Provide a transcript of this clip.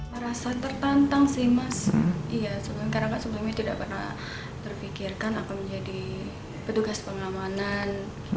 merasa tertantang sih mas karena sebelumnya tidak pernah terpikirkan akan menjadi petugas pengamanan